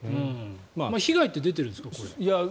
被害って出てるんですか？